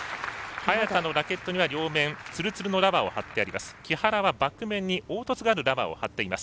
早田のラケットには両面つるつるのラバーを貼っています。